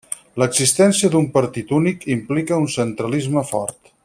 L'existència d'un partit únic implica un centralisme fort.